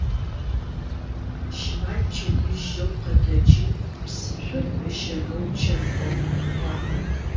Щимал пчэдыжь жьэу къэтэджи псыцур ыщынэу чэмыӏом кӏуагъэ.